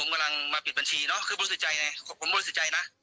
ผมกำลังมาปิดบัญชีเนาะคือรู้สึกใจไหมผมรู้สึกใจนะ